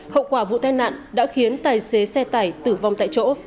hậu quả vụ tai nạn đã khiến tài xế xe tải tử vong tại chỗ